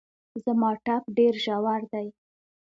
زما ټپ ډېر ژور دی